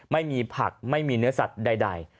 ไม่มีผักไม่มีเนื้อสัตว์ใด